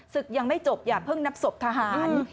ยังไม่จบอย่าเพิ่งนับศพทหาร